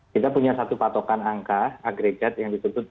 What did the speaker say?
kita punya satu patokan angka agregat yang disebut